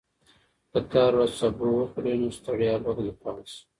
که ته هره ورځ سبو وخورې، نو ستړیا به کمه شي.